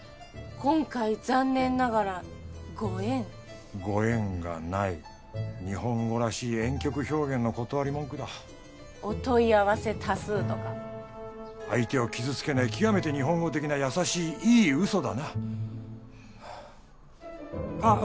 「今回残念ながら」ご縁ご縁がない日本語らしいえん曲表現の断り文句だ「お問い合わせ多数」とか相手を傷つけない極めて日本語的な優しいいい嘘だなあっ